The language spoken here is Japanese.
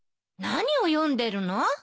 何を読んでるの？